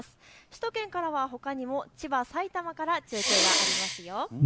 首都圏からはほかにも千葉、埼玉からも中継があります。